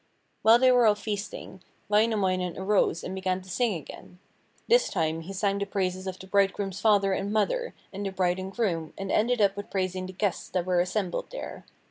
While they were all feasting, Wainamoinen arose and began to sing again. This time he sang the praises of the bridegroom's father and mother, and the bride and groom, and ended up with praising the guests that were assembled there.